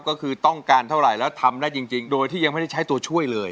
ก็คือต้องการเท่าไหร่แล้วทำได้จริงโดยที่ยังไม่ได้ใช้ตัวช่วยเลย